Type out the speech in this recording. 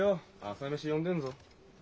朝飯呼んでんぞ。